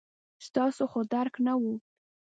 ستاسو خو درک نه و.